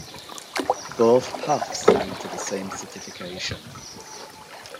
Both paths lead to the same certification.